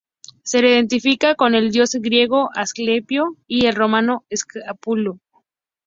Se le identifica con el dios griego Asclepio y el romano Esculapio.